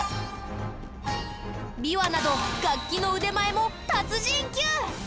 琵琶など楽器の腕前も達人級。